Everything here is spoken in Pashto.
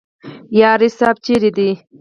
یاري صاحب چیرې دی؟